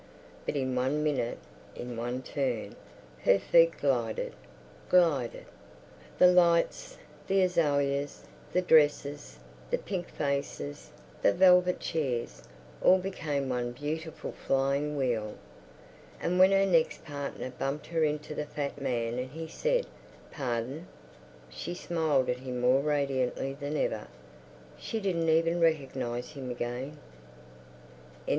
But in one minute, in one turn, her feet glided, glided. The lights, the azaleas, the dresses, the pink faces, the velvet chairs, all became one beautiful flying wheel. And when her next partner bumped her into the fat man and he said, "Par_don_," she smiled at him more radiantly than ever. She didn't even recognize him again.